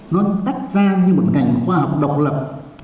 nó tách ra như một ngành khoa học độc lập